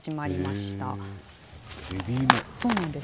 そうなんです。